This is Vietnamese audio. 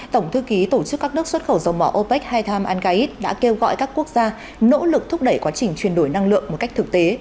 tổng thư ký tổ chức các nước xuất khẩu dầu mỏ opec haitim angaid đã kêu gọi các quốc gia nỗ lực thúc đẩy quá trình chuyển đổi năng lượng một cách thực tế